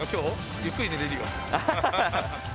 ゆっくり寝れるよ。